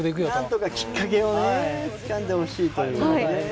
何とかきっかけをつかんでほしいというね。